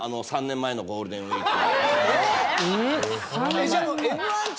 ３年前のゴールデンウィーク？